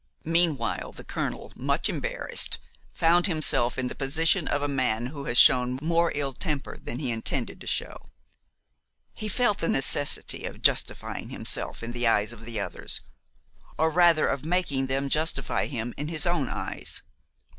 Copyright 1900 by G. Barrie & Son Meanwhile, the colonel, much embarrassed, found himself in the position of a man who has shown more ill temper than he intended to show. He felt the necessity of justifying himself in the eyes of the others, or rather of making them justify him in his own eyes.